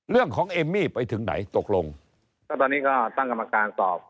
เอมมี่ไปถึงไหนตกลงก็ตอนนี้ก็ตั้งกรรมการตอบ